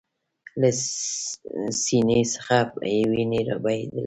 له سینې څخه یې ویني بهېدلې